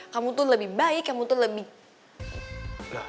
kamu tuh lebih baik kamu tuh lebih